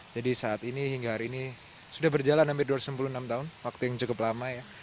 jadi saat ini hingga hari ini sudah berjalan hampir dua ratus enam puluh enam tahun waktu yang cukup lama ya